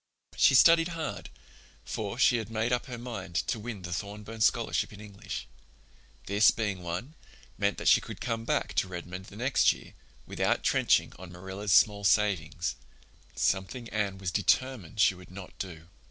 She studied hard, for she had made up her mind to win the Thorburn Scholarship in English. This being won, meant that she could come back to Redmond the next year without trenching on Marilla's small savings—something Anne was determined she would not do.